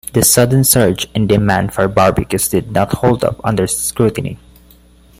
The sudden surge in demand for barbecues did not hold up under scrutiny.